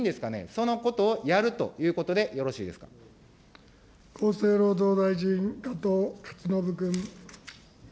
そのことをやるということでよろ厚生労働大臣、加藤勝信君。